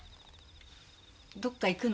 どっか行くの？